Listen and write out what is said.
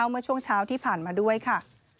เมื่อช่วงเช้าที่ผ่านมาด้วยค่ะ